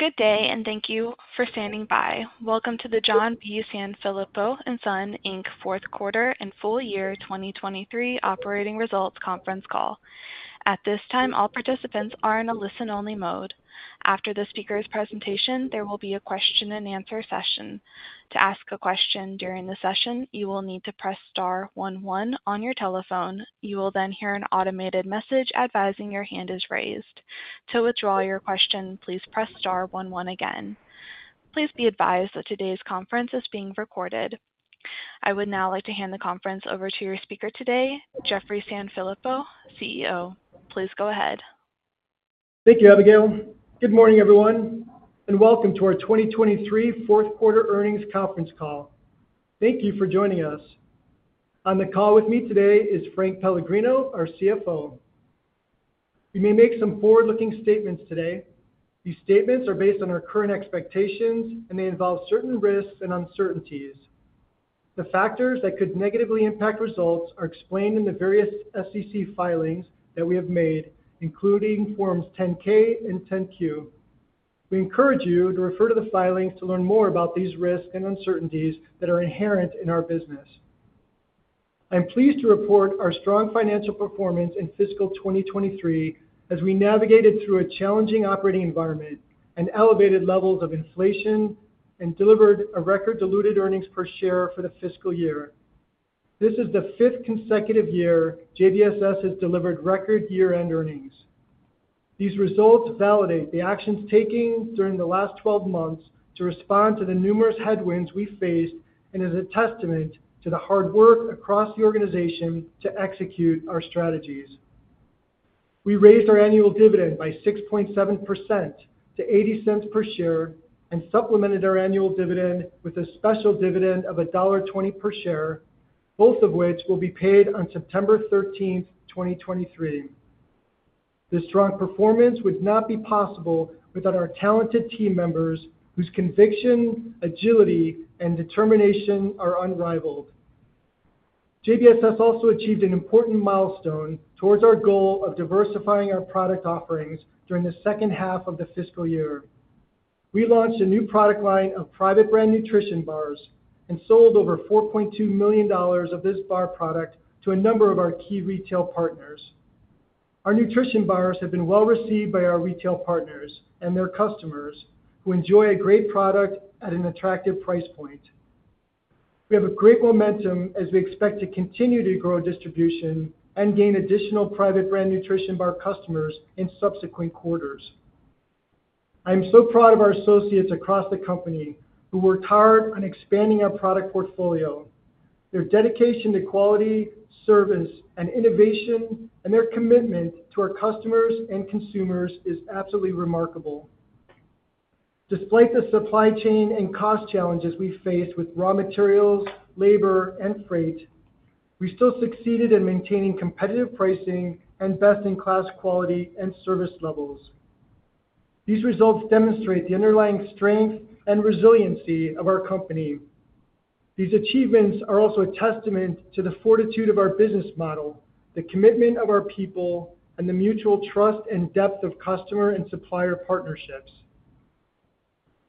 Good day, and thank you for standing by. Welcome to the John B. Sanfilippo & Son, Inc. fourth quarter and full year 2023 operating results conference call. At this time, all participants are in a listen-only mode. After the speaker's presentation, there will be a question and answer session. To ask a question during the session, you will need to press star one one on your telephone. You will then hear an automated message advising your hand is raised. To withdraw your question, please press star one one again. Please be advised that today's conference is being recorded. I would now like to hand the conference over to your speaker today, Jeffrey Sanfilippo, CEO. Please go ahead. Thank you, Abigail. Good morning, everyone, and welcome to our 2023 fourth quarter earnings conference call. Thank you for joining us. On the call with me today is Frank Pellegrino, our CFO. We may make some forward-looking statements today. These statements are based on our current expectations, and they involve certain risks and uncertainties. The factors that could negatively impact results are explained in the various SEC filings that we have made, including Forms 10-K and 10-Q. We encourage you to refer to the filings to learn more about these risks and uncertainties that are inherent in our business. I'm pleased to report our strong financial performance in fiscal 2023 as we navigated through a challenging operating environment and elevated levels of inflation and delivered a record diluted earnings per share for the fiscal year. This is the fifth consecutive year JBSS has delivered record year-end earnings. These results validate the actions taken during the last 12 months to respond to the numerous headwinds we faced and is a testament to the hard work across the organization to execute our strategies. We raised our annual dividend by 6.7% to $0.80 per share and supplemented our annual dividend with a special dividend of $1.20 per share, both of which will be paid on September 13, 2023. This strong performance would not be possible without our talented team members whose conviction, agility, and determination are unrivaled. JBSS also achieved an important milestone towards our goal of diversifying our product offerings during the second half of the fiscal year. We launched a new product line of private brand nutrition bars and sold over $4.2 million of this bar product to a number of our key retail partners. Our nutrition bars have been well received by our retail partners and their customers, who enjoy a great product at an attractive price point. We have a great momentum as we expect to continue to grow distribution and gain additional private brand nutrition bar customers in subsequent quarters. I am so proud of our associates across the company who worked hard on expanding our product portfolio. Their dedication to quality, service, and innovation, and their commitment to our customers and consumers is absolutely remarkable. Despite the supply chain and cost challenges we face with raw materials, labor, and freight, we still succeeded in maintaining competitive pricing and best-in-class quality and service levels. These results demonstrate the underlying strength and resiliency of our company. These achievements are also a testament to the fortitude of our business model, the commitment of our people, and the mutual trust and depth of customer and supplier partnerships.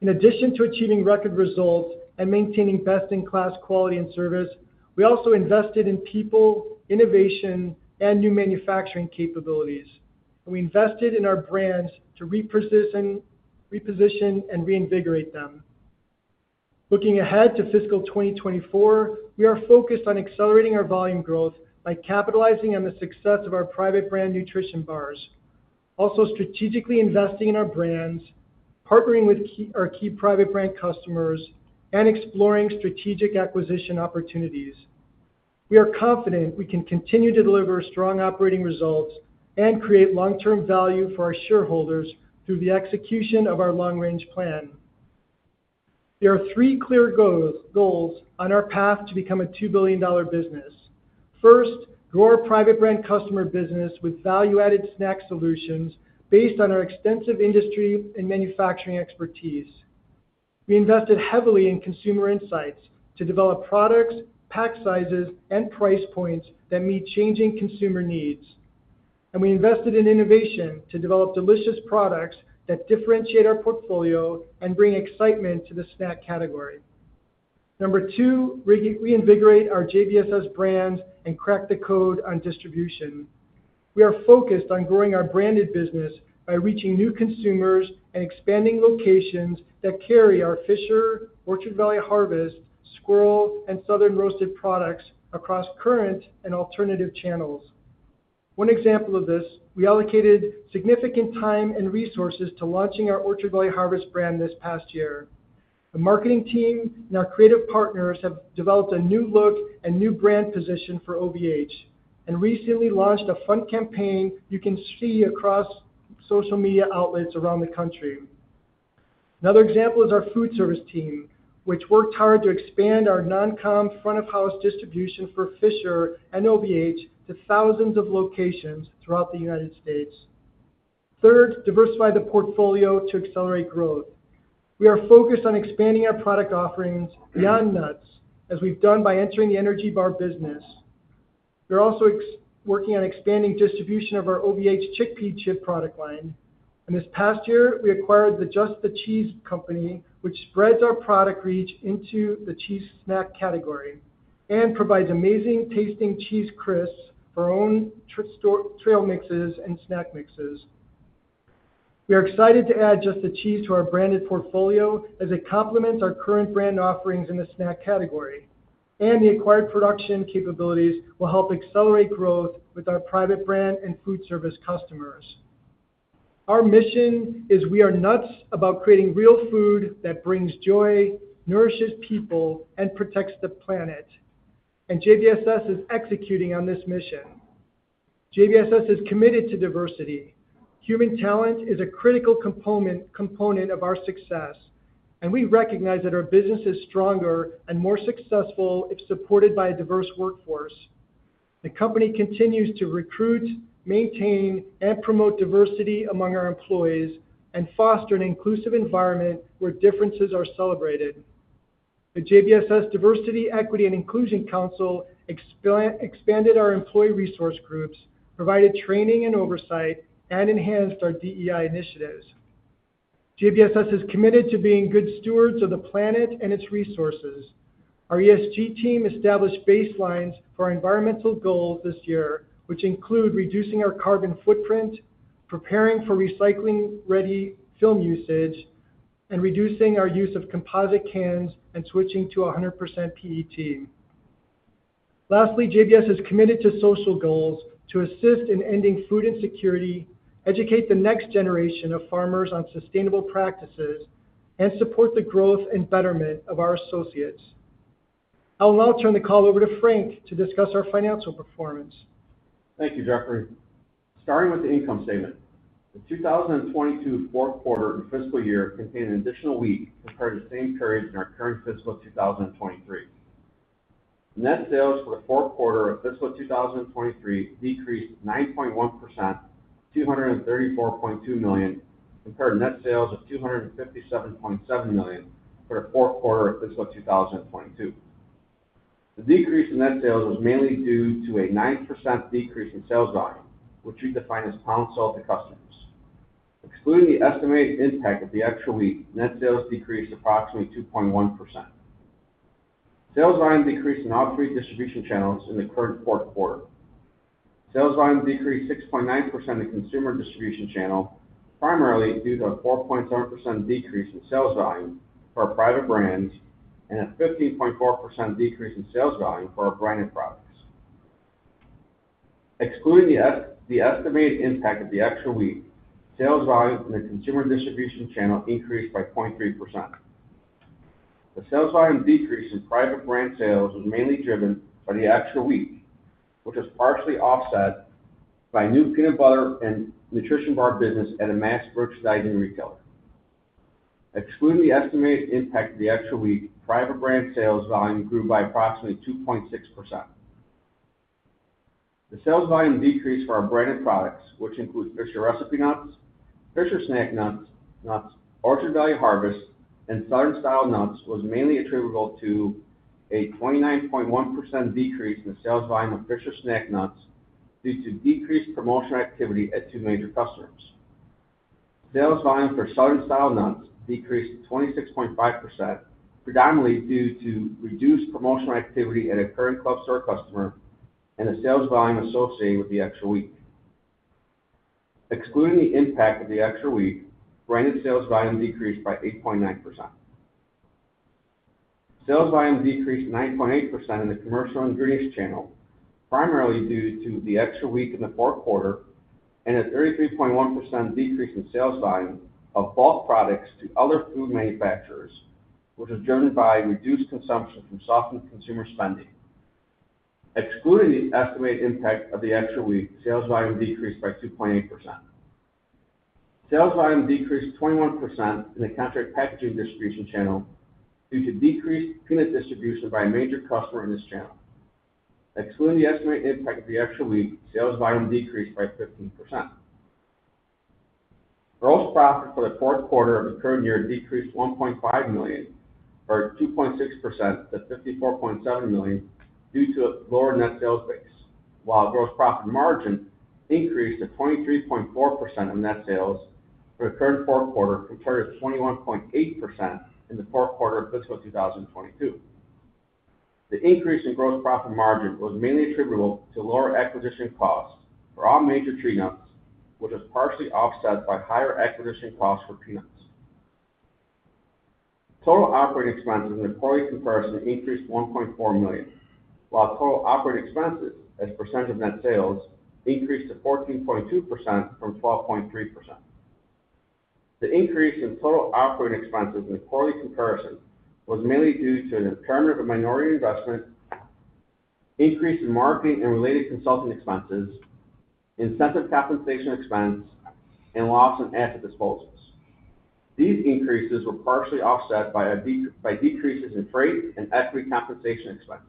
In addition to achieving record results and maintaining best-in-class quality and service, we also invested in people, innovation, and new manufacturing capabilities. We invested in our brands to reposition, reposition and reinvigorate them. Looking ahead to fiscal 2024, we are focused on accelerating our volume growth by capitalizing on the success of our private brand nutrition bars. Also strategically investing in our brands, partnering with our key private brand customers, and exploring strategic acquisition opportunities. We are confident we can continue to deliver strong operating results and create long-term value for our shareholders through the execution of our long-range plan. There are 3 clear goals, goals on our path to become a $2 billion business. First, grow our private brand customer business with value-added snack solutions based on our extensive industry and manufacturing expertise. We invested heavily in consumer insights to develop products, pack sizes, and price points that meet changing consumer needs. We invested in innovation to develop delicious products that differentiate our portfolio and bring excitement to the snack category. Number 2, reinvigorate our JBSS brands and crack the code on distribution. We are focused on growing our branded business by reaching new consumers and expanding locations that carry our Fisher, Orchard Valley Harvest, Squirrel, and Southern Roasted products across current and alternative channels. One example of this, we allocated significant time and resources to launching our Orchard Valley Harvest brand this past year. The marketing team and our creative partners have developed a new look and new brand position for OVH and recently launched a fun campaign you can see across social media outlets around the country. Another example is our food service team, which worked hard to expand our non-com front-of-house distribution for Fisher and OVH to thousands of locations throughout the United States. Third, diversify the portfolio to accelerate growth. We are focused on expanding our product offerings beyond nuts, as we've done by entering the energy bar business. We're also working on expanding distribution of our OVH Chickpea chip product line. This past year, we acquired the Just the Cheese company, which spreads our product reach into the cheese snack category and provides amazing tasting cheese crisps, our own trail mixes, and snack mixes. We are excited to add Just the Cheese to our branded portfolio as it complements our current brand offerings in the snack category, and the acquired production capabilities will help accelerate growth with our private brand and food service customers. Our mission is we are nuts about creating real food that brings joy, nourishes people, and protects the planet, and JBSS is executing on this mission. JBSS is committed to diversity. Human talent is a critical component, component of our success, and we recognize that our business is stronger and more successful if supported by a diverse workforce. The company continues to recruit, maintain, and promote diversity among our employees and foster an inclusive environment where differences are celebrated. The JBSS Diversity, Equity and Inclusion Council expanded our employee resource groups, provided training and oversight, and enhanced our DEI initiatives. JBSS is committed to being good stewards of the planet and its resources. Our ESG team established baselines for our environmental goals this year, which include reducing our carbon footprint, preparing for recycling-ready film usage, and reducing our use of composite cans and switching to 100% PET. Lastly, JBSS is committed to social goals to assist in ending food insecurity, educate the next generation of farmers on sustainable practices, and support the growth and betterment of our associates. I'll now turn the call over to Frank to discuss our financial performance. Thank you, Jeffrey. Starting with the income statement. The 2022 fourth quarter and fiscal year contained an additional week compared to the same period in our current fiscal 2023. Net sales for the fourth quarter of fiscal 2023 decreased 9.1%, $234.2 million, compared to net sales of $257.7 million for the fourth quarter of fiscal 2022. The decrease in net sales was mainly due to a 9% decrease in sales volume, which we define as pounds sold to customers. Excluding the estimated impact of the extra week, net sales decreased approximately 2.1%. Sales volume decreased in all three distribution channels in the current fourth quarter. Sales volume decreased 6.9% in the consumer distribution channel, primarily due to a 4.7% decrease in sales volume for our private brands and a 15.4% decrease in sales volume for our branded products. Excluding the estimated impact of the extra week, sales volume in the consumer distribution channel increased by 0.3%. The sales volume decrease in private brand sales was mainly driven by the extra week, which was partially offset by new peanut butter and nutrition bar business at a mass merchandise retailer. Excluding the estimated impact of the extra week, private brand sales volume grew by approximately 2.6%. The sales volume decreased for our branded products, which include Fisher Recipe Nuts, Fisher Snack Nuts, Nuts, Orchard Valley Harvest, and Southern Style Nuts, was mainly attributable to a 29.1% decrease in the sales volume of Fisher Snack Nuts due to decreased promotional activity at two major customers. Sales volume for Southern Style Nuts decreased to 26.5%, predominantly due to reduced promotional activity at a current club store customer and the sales volume associated with the extra week. Excluding the impact of the extra week, branded sales volume decreased by 8.9%. Sales volume decreased 9.8% in the commercial ingredients channel, primarily due to the extra week in the fourth quarter and a 33.1% decrease in sales volume of bulk products to other food manufacturers, which is driven by reduced consumption from softened consumer spending. Excluding the estimated impact of the extra week, sales volume decreased by 2.8%. Sales volume decreased 21% in the contract packaging distribution channel due to decreased peanut distribution by a major customer in this channel. Excluding the estimated impact of the extra week, sales volume decreased by 15%. Gross profit for the fourth quarter of the current year decreased $1.5 million, or 2.6% to $54.7 million, due to a lower net sales base, while gross profit margin increased to 23.4% of net sales for the current fourth quarter, compared to 21.8% in the fourth quarter of fiscal 2022. The increase in gross profit margin was mainly attributable to lower acquisition costs for all major tree nuts, which was partially offset by higher acquisition costs for peanuts. Total operating expenses in the quarterly comparison increased $1.4 million, while total operating expenses as a percent of net sales increased to 14.2% from 12.3%. The increase in total operating expenses in the quarterly comparison was mainly due to an impairment of a minority investment, increase in marketing and related consulting expenses, incentive compensation expense, and loss on asset disposals. These increases were partially offset by decreases in freight and equity compensation expense.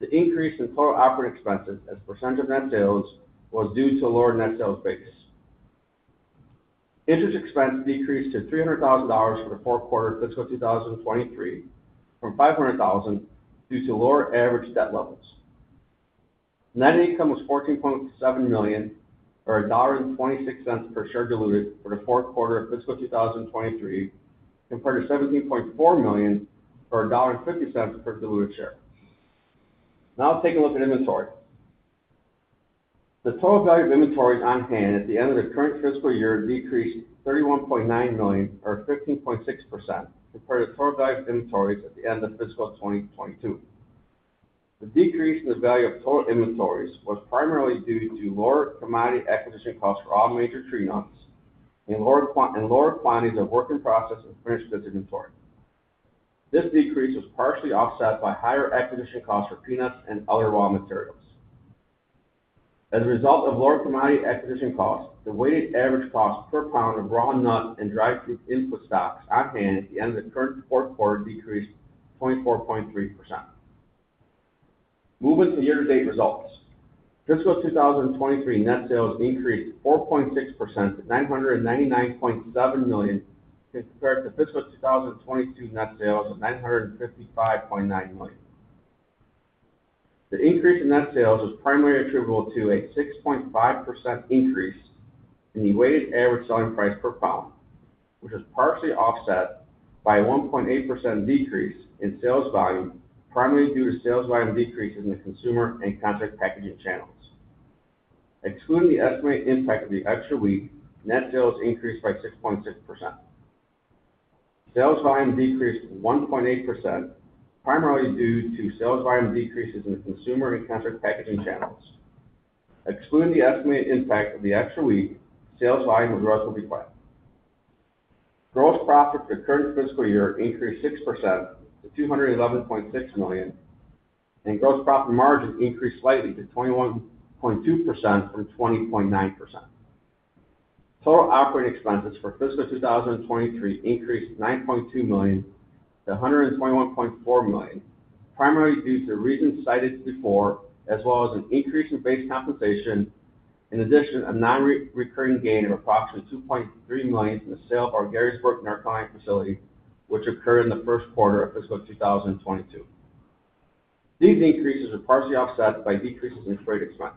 The increase in total operating expenses as a percent of net sales was due to a lower net sales base. Interest expense decreased to $300,000 for the fourth quarter of fiscal 2023, from $500,000, due to lower average debt levels. Net income was $14.7 million, or $1.26 per share diluted for the fourth quarter of fiscal 2023, compared to $17.4 million, or $1.50 per diluted share. Now let's take a look at inventory. The total value of inventories on hand at the end of the current fiscal year decreased $31.9 million, or 15.6%, compared to total value of inventories at the end of fiscal 2022. The decrease in the value of total inventories was primarily due to lower commodity acquisition costs for all major tree nuts and lower quantities of work in process and finished goods inventory. This decrease was partially offset by higher acquisition costs for peanuts and other raw materials. As a result of lower commodity acquisition costs, the weighted average cost per pound of raw nut and dried fruit input stocks on hand at the end of the current fourth quarter decreased 24.3%. Moving to year-to-date results. Fiscal 2023 net sales increased 4.6% to $999.7 million, compared to Fiscal 2022 net sales of $955.9 million. The increase in net sales was primarily attributable to a 6.5% increase in the weighted average selling price per pound, which was partially offset by a 1.8% decrease in sales volume, primarily due to sales volume decreases in the consumer and contract packaging channels. Excluding the estimated impact of the extra week, net sales increased by 6.6%. Sales volume decreased 1.8%, primarily due to sales volume decreases in the consumer and contract packaging channels. Excluding the estimated impact of the extra week, sales volume was roughly flat. Gross profit for the current fiscal year increased 6% to $211.6 million, and gross profit margin increased slightly to 21.2% from 20.9%. Total operating expenses for fiscal 2023 increased $9.2 million-$121.4 million, primarily due to the reasons cited before, as well as an increase in base compensation. In addition, a nonrecurring gain of approximately $2.3 million from the sale of our Gettysburg nut facility, which occurred in the first quarter of fiscal 2022. These increases were partially offset by decreases in freight expense.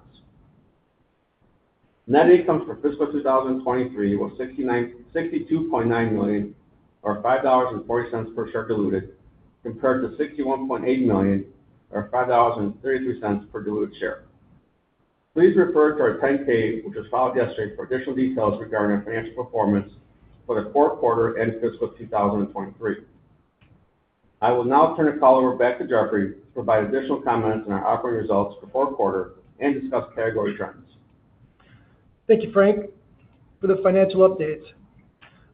Net income for fiscal 2023 was $62.9 million, or $5.40 per diluted share, compared to $61.8 million, or $5.32 per diluted share. Please refer to our 10-K, which was filed yesterday, for additional details regarding our financial performance for the fourth quarter and fiscal 2023. I will now turn the call over back to Jeffrey to provide additional comments on our operating results for fourth quarter and discuss category trends. Thank you, Frank, for the financial update.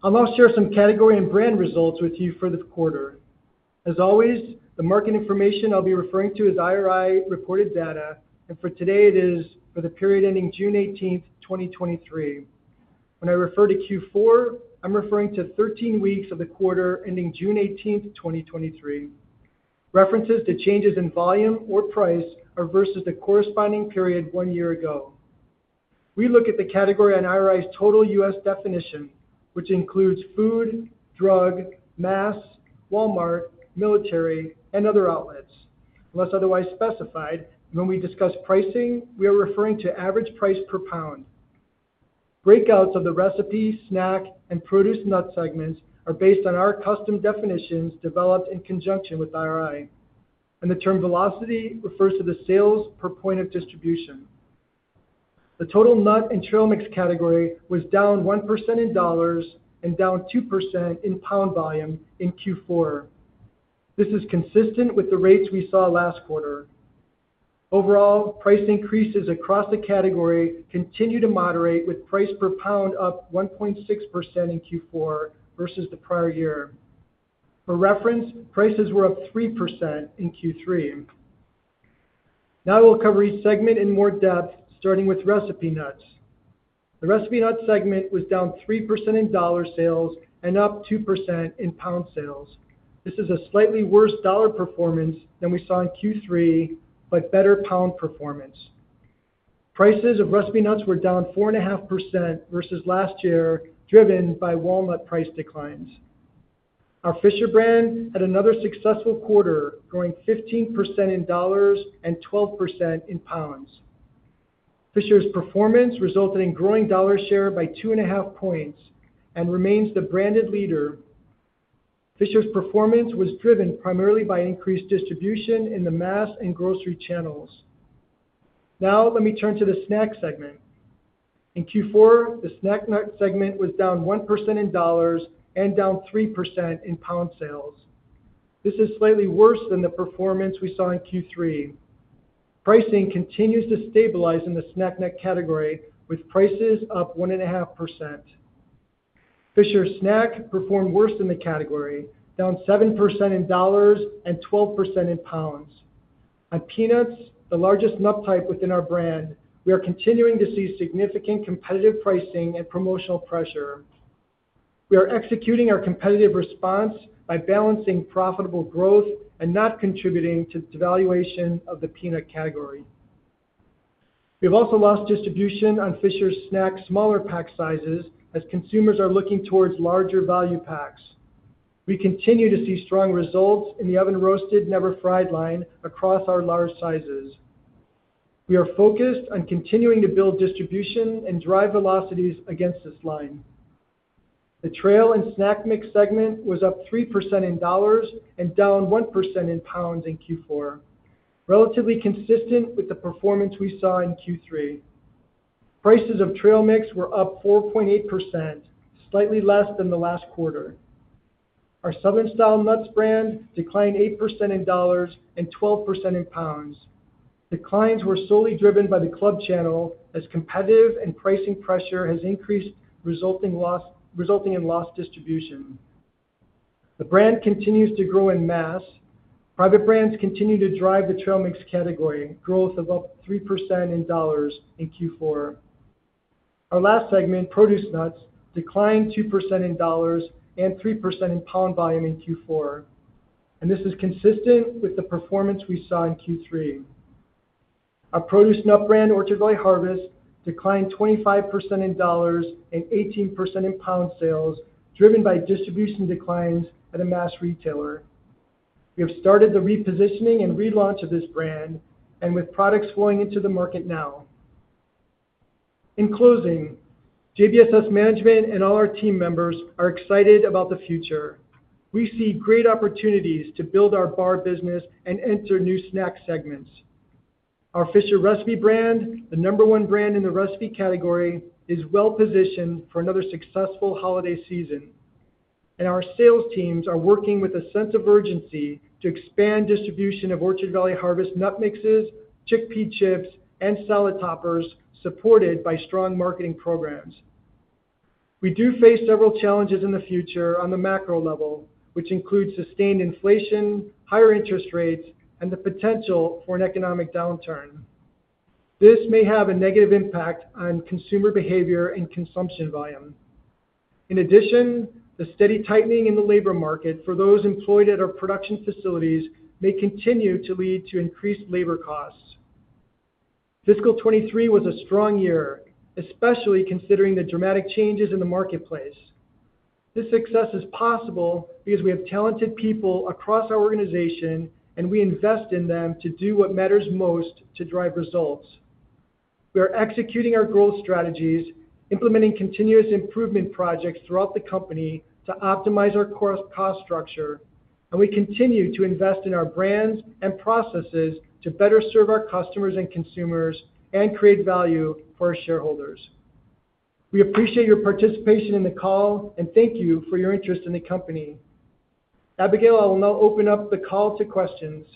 I'll now share some category and brand results with you for this quarter. As always, the market information I'll be referring to is IRI reported data, and for today it is for the period ending June 18, 2023. When I refer to Q4, I'm referring to 13 weeks of the quarter ending June 18, 2023. References to changes in volume or price are versus the corresponding period one year ago. We look at the category on IRI's total U.S. definition, which includes food, drug, mass, Walmart, military, and other outlets. Unless otherwise specified, when we discuss pricing, we are referring to average price per pound. Breakouts of the recipe, snack, and produce nut segments are based on our custom definitions developed in conjunction with IRI, and the term velocity refers to the sales per point of distribution. The total nut and trail mix category was down 1% in dollars and down 2% in pound volume in Q4. This is consistent with the rates we saw last quarter. Overall, price increases across the category continue to moderate, with price per pound up 1.6% in Q4 versus the prior year. For reference, prices were up 3% in Q3. Now I will cover each segment in more depth, starting with recipe nuts. The recipe nut segment was down 3% in dollar sales and up 2% in pound sales. This is a slightly worse dollar performance than we saw in Q3, but better pound performance. Prices of recipe nuts were down 4.5% versus last year, driven by walnut price declines. Our Fisher brand had another successful quarter, growing 15% in dollars and 12% in pounds. Fisher's performance resulted in growing dollar share by 2.5 points and remains the branded leader. Fisher's performance was driven primarily by increased distribution in the mass and grocery channels. Now let me turn to the snack segment. In Q4, the snack nut segment was down 1% in dollars and down 3% in pound sales. This is slightly worse than the performance we saw in Q3. Pricing continues to stabilize in the snack nut category, with prices up 1.5%. Fisher Snack performed worse than the category, down 7% in dollars and 12% in pounds. On peanuts, the largest nut type within our brand, we are continuing to see significant competitive pricing and promotional pressure. We are executing our competitive response by balancing profitable growth and not contributing to the devaluation of the peanut category.... We've also lost distribution on Fisher's Snack smaller pack sizes as consumers are looking towards larger value packs. We continue to see strong results in the Oven Roasted Never Fried line across our large sizes. We are focused on continuing to build distribution and drive velocities against this line. The trail and snack mix segment was up 3% in dollars and down 1% in pounds in Q4, relatively consistent with the performance we saw in Q3. Prices of trail mix were up 4.8%, slightly less than the last quarter. Our Southern Style Nuts brand declined 8% in dollars and 12% in pounds. Declines were solely driven by the club channel as competitive and pricing pressure has increased, resulting in lost distribution. The brand continues to grow in mass. Private brands continue to drive the trail mix category growth of up to 3% in dollars in Q4. Our last segment, Produce Nuts, declined 2% in dollars and 3% in pound volume in Q4, and this is consistent with the performance we saw in Q3. Our Produce Nut brand, Orchard Valley Harvest, declined 25% in dollars and 18% in pound sales, driven by distribution declines at a mass retailer. We have started the repositioning and relaunch of this brand and with products flowing into the market now. In closing, JBSS management and all our team members are excited about the future. We see great opportunities to build our bar business and enter new snack segments. Our Fisher Recipe brand, the number one brand in the recipe category, is well positioned for another successful holiday season, and our sales teams are working with a sense of urgency to expand distribution of Orchard Valley Harvest nut mixes, Chickpea chips, and Salad toppers, supported by strong marketing programs. We do face several challenges in the future on the macro level, which includes sustained inflation, higher interest rates, and the potential for an economic downturn. This may have a negative impact on consumer behavior and consumption volume. In addition, the steady tightening in the labor market for those employed at our production facilities may continue to lead to increased labor costs. Fiscal 2023 was a strong year, especially considering the dramatic changes in the marketplace. This success is possible because we have talented people across our organization, and we invest in them to do what matters most to drive results. We are executing our growth strategies, implementing continuous improvement projects throughout the company to optimize our cost structure, and we continue to invest in our brands and processes to better serve our customers and consumers and create value for our shareholders. We appreciate your participation in the call, and thank you for your interest in the company. Abigail, I will now open up the call to questions.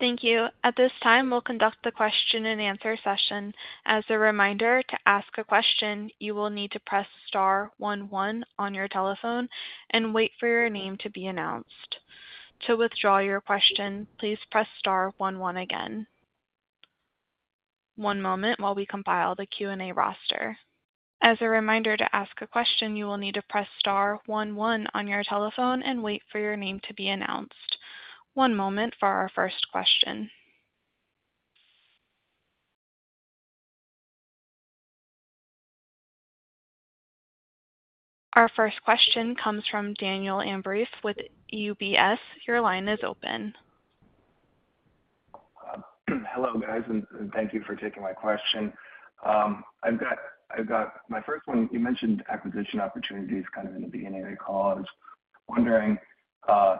Thank you. At this time, we'll conduct the question and answer session. As a reminder, to ask a question, you will need to press star one one on your telephone and wait for your name to be announced. To withdraw your question, please press star one one again. One moment while we compile the Q&A roster. As a reminder, to ask a question, you will need to press star one one on your telephone and wait for your name to be announced. One moment for our first question. Our first question comes from Daniel Ambrefe with UBS. Your line is open. Hello, guys, and thank you for taking my question. I've got my first one. You mentioned acquisition opportunities kind of in the beginning of the call. I was wondering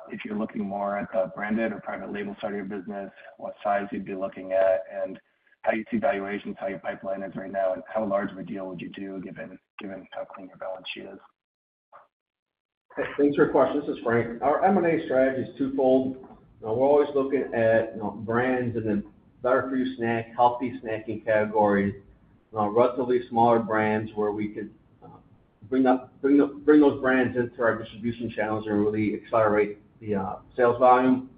if you're looking more at the branded or private label side of your business, what size you'd be looking at, and how you see valuations, how your pipeline is right now, and how large of a deal would you do, given how clean your balance sheet is? Thanks for your question. This is Frank. Our M&A strategy is twofold. We're always looking at, you know, brands in the better for you snack, healthy snacking category, relatively smaller brands where we could bring those brands into our distribution channels and really accelerate the sales volume.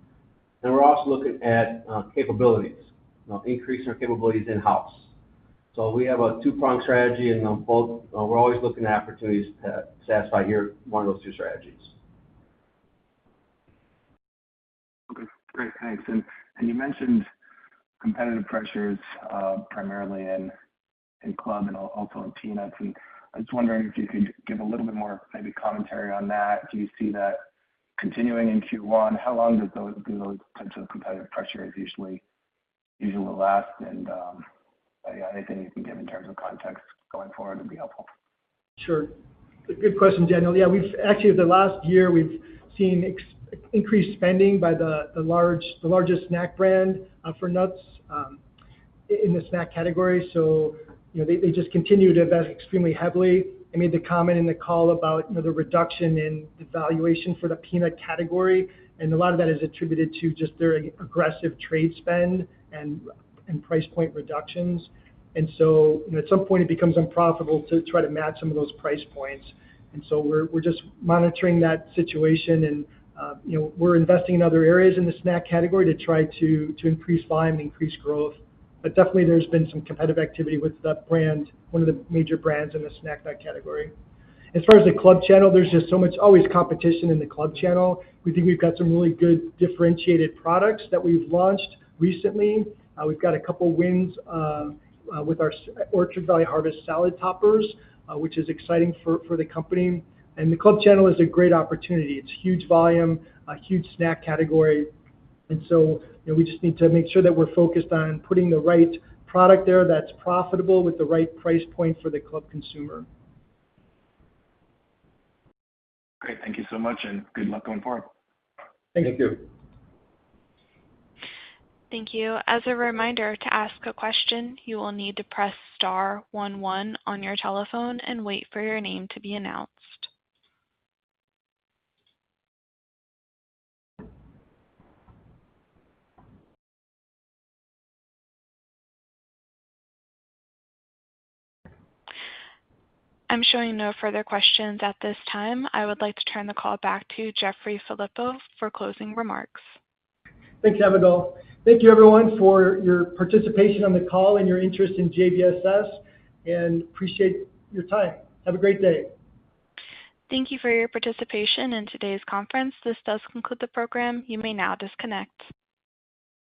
And we're also looking at capabilities, you know, increasing our capabilities in-house. So we have a two-pronged strategy, and both, we're always looking at opportunities to satisfy your one of those two strategies. Okay, great. Thanks. And you mentioned competitive pressures, primarily in club and also in peanuts. And I was wondering if you could give a little bit more, maybe, commentary on that. Do you see that continuing in Q1? How long do those types of competitive pressures usually last? And, yeah, anything you can give in terms of context going forward would be helpful. Sure. Good question, Daniel. Yeah, we've actually, the last year, we've seen increased spending by the, the large, the largest snack brand, for nuts, in the snack category. So, you know, they, they just continue to invest extremely heavily. I made the comment in the call about the reduction in the valuation for the peanut category, and a lot of that is attributed to just their aggressive trade spend and, and price point reductions. And so at some point, it becomes unprofitable to try to match some of those price points. And so we're, we're just monitoring that situation and, you know, we're investing in other areas in the snack category to try to, to increase volume and increase growth. But definitely there's been some competitive activity with that brand, one of the major brands in the snack nut category. As far as the club channel, there's just so much always competition in the club channel. We think we've got some really good differentiated products that we've launched recently. We've got a couple wins with our Orchard Valley Harvest Salad toppers, which is exciting for the company. And the club channel is a great opportunity. It's huge volume, a huge snack category. And so, you know, we just need to make sure that we're focused on putting the right product there that's profitable with the right price point for the club consumer. Great. Thank you so much, and good luck going forward. Thank you. Thank you. As a reminder, to ask a question, you will need to press star one one on your telephone and wait for your name to be announced. I'm showing no further questions at this time. I would like to turn the call back to Jeffrey Sanfilippo for closing remarks. Thanks, Abigail. Thank you, everyone, for your participation on the call and your interest in JBSS, and appreciate your time. Have a great day! Thank you for your participation in today's conference. This does conclude the program. You may now disconnect.